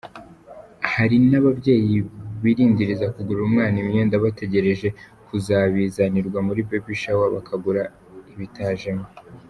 Hari n’ababyeyi birindiriza kugurira umwana imyenda, bategereje kuzabizanirwa muri ’baby shower ’, bakagura ibitajemo.